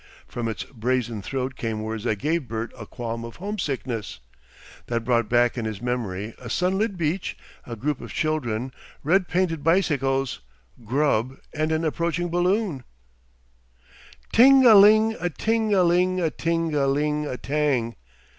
From its brazen throat came words that gave Bert a qualm of homesickness, that brought back in his memory a sunlit beach, a group of children, red painted bicycles, Grubb, and an approaching balloon: "Ting a ling a ting a ling a ting a ling a tang...